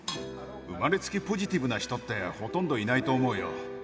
生まれつきポジティブな人ってほとんどいないと思うよ。